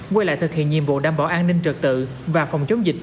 quay lại thực hiện nhiệm vụ đảm bảo an ninh trật tự và phòng chống dịch